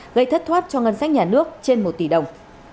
gây thất thoát cho ngân sách nhà nước trên một tỷ đồng